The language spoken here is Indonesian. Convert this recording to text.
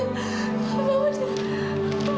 mama benar benar ditinggal